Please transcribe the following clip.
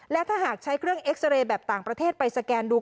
และถ้าหากใช้เครื่องเอ็กซาเรย์แบบต่างประเทศไปสแกนดู